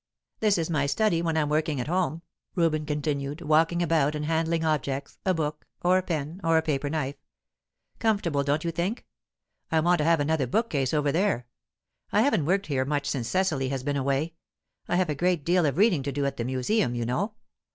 "This is my study, when I'm working at home," Reuben continued, walking about and handling objects, a book, or a pen, or a paper knife. "Comfortable, don't you think? I want to have another bookcase over there. I haven't worked here much since Cecily has been away; I have a great deal of reading to do at the Museum, you know.